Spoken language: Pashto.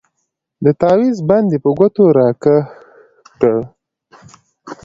د تاويز بند يې په ګوتو راکښ کړ.